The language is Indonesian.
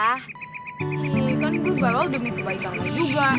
eh kan gue ga mau demikian juga